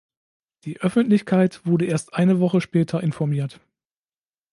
Die Öffentlichkeit wurde erst eine Woche später informiert.